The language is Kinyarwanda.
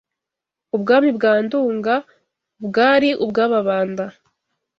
Ubwami bwa Nduga bwari ubw’ Ababanda